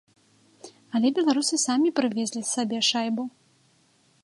Але беларусы самі прывезлі сабе шайбу.